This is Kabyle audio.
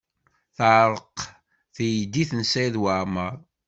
Teɛreq teydit n Saɛid Waɛmaṛ.